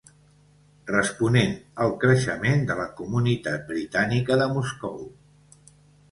Responent al creixement de la comunitat britànica de Moscou.